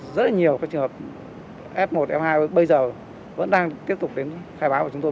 rất là nhiều trường hợp f một f hai bây giờ vẫn đang tiếp tục đến khai báo của chúng tôi